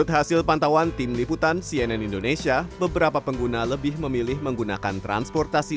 hasil pantauan tim liputan cnn indonesia beberapa pengguna lebih memilih menggunakan transportasi